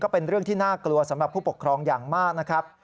เป็นเรื่องที่น่ากลัวสำหรับผู้ปกครองอย่างมากนะครับ